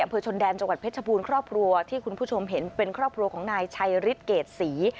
เผลอชนแดนจังหวัดเพชรชปูนครอบครัวที่คุณผู้ชมเห็นเป็นครอบครัวของนายชัยริตเกตศรี